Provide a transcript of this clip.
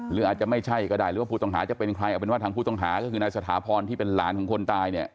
หรืออาจจะไม่ใช่ก็ได้หรือผู้ตำราจะเป็นใครอะถ้าผู้ตำราก็คือนายสถาพรที่เป็นหลานของคนตายเนี่ย